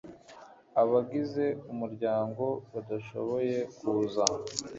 abagize umuryango badashoboye kuza